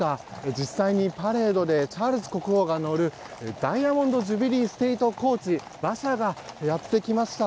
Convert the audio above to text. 実際にパレードでチャールズ国王が乗るダイヤモンド・ジュビリー・ステート・コーチ馬車がやってきました。